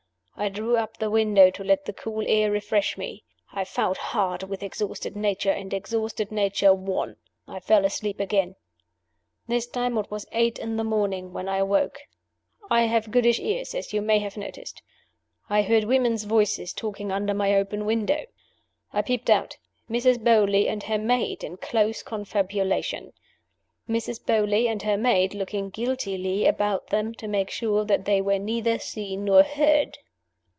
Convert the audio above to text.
I drew up the window to let the cool air refresh me; I fought hard with exhausted nature, and exhausted nature won. I fell asleep again. This time it was eight in the morning when I awoke. I have goodish ears, as you may have noticed. I heard women's voices talking under my open window. I peeped out. Mrs. Beauly and her maid in close confabulation! Mrs. Beauly and her maid looking guiltily about them to make sure that they were neither seen nor heard!